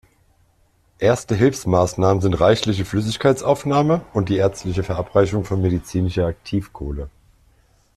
Erste Hilfsmaßnahmen sind reichliche Flüssigkeitsaufnahme und die ärztliche Verabreichung von medizinischer Aktivkohle.